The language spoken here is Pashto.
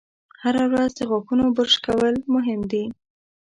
هره ورځ د غاښونو برش کول مهم دي.